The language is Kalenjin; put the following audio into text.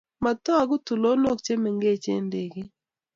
Matogu tulonok che mengech eng' ndegeit.